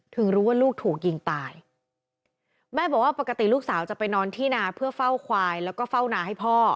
รู้ว่าลูกถูกยิงตายแม่บอกว่าปกติลูกสาวจะไปนอนที่นาเพื่อเฝ้าควายแล้วก็เฝ้านาให้พ่อ